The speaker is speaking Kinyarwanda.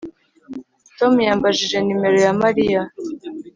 Tom yambajije nimero ya Mariya